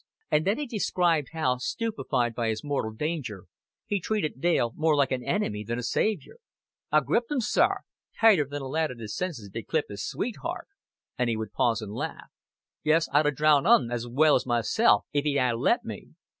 And then he described how, stupefied by his mortal danger, he treated Dale more like an enemy than a savior. "I gripped 'un, sir, tighter than a lad in his senses 'd clip his sweetheart;" and he would pause and laugh. "Yes, I'd 'a' drowned 'un as well as myself if he'd 'a' let me.